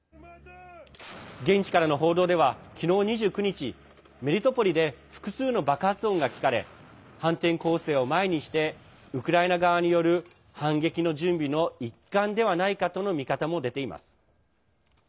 現地からの報道では昨日２９日メリトポリで複数の爆発音が聞かれ反転攻勢を前にしてウクライナ側による反撃の準備の一環ではないかとの見方も出ています。